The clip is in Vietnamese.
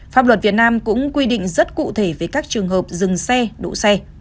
pháp luật việt nam cũng quy định rất cụ thể về các trường hợp dừng xe đỗ xe